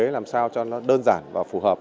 làm sao cho nó đơn giản và phù hợp